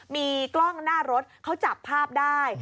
มีกล้องหน้ารถเขาจับภาพได้